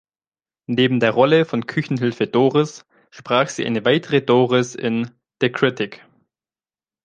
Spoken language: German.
Neben der Rolle von "Küchenhilfe Doris" sprach sie eine weitere Doris in "The Critic".